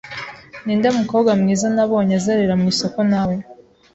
Ninde mukobwa mwiza nabonye azerera mu isoko nawe?